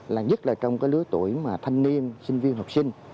là nhất là trong cái lứa tuổi mà thanh niên sinh viên học sinh